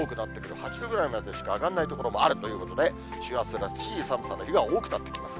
８度ぐらいまでしか上がらない所もあるということで、師走らしい寒さの日が多くなってきます。